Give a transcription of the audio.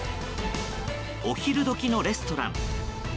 お昼時のレストラン。